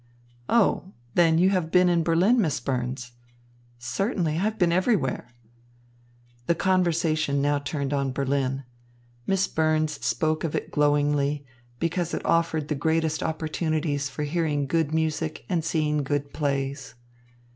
"Oh, then you have been in Berlin, Miss Burns?" "Certainly, I have been everywhere." The conversation now turned on Berlin. Miss Burns spoke of it glowingly, because it offered the greatest opportunities for hearing good music and seeing good plays.